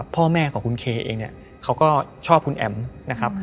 พ่อแม่ของคุณเคเองเนี่ยเขาก็ชอบคุณแอ๋มนะครับ